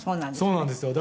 「そうなんですよ。